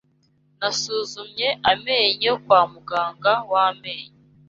Nasuzumye amenyo kwa muganga w'amenyo.